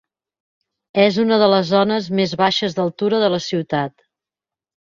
És una de les zones més baixes d'altura de la ciutat.